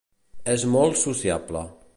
És molt sociable.